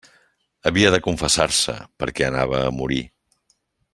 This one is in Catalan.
Havia de confessar-se, perquè anava a morir.